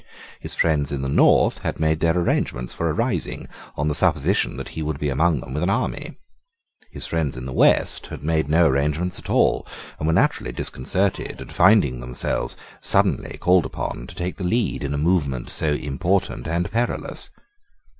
His friends in the north had made their arrangements for a rising, on the supposition that he would be among them with an army. His friends in the west had made no arrangements at all, and were naturally disconcerted at finding themselves suddenly called upon to take the lead in a movement so important and perilous.